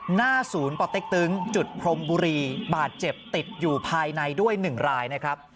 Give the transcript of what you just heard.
หน้าศูนย์ปเต็กตึงจุดพรมบุรีบาดเจ็บติดอยู่ภายในด้วย๑รายนะครับ